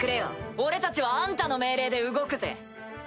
俺たちはあんたの命令で動くぜ。